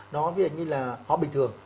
nó như là họ bình thường